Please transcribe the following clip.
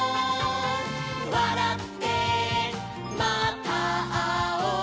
「わらってまたあおう」